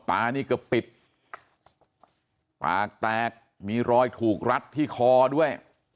นี่ก็ปิดปากแตกมีรอยถูกรัดที่คอด้วย